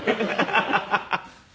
ハハハハ。